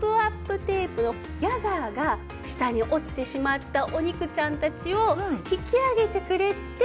テープのギャザーが下に落ちてしまったお肉ちゃんたちを引き上げてくれて。